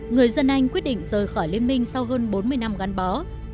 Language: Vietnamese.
người dân anh quyết định rời khỏi liên minh sau hơn bốn mươi năm gắn bó